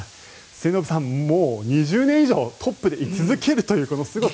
末延さんもう２０年以上トップでい続けるというこのすごさ。